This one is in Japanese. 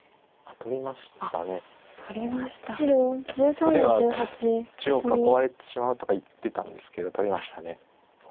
取りは中央囲われてしまうとか言ってたんですけど取りました。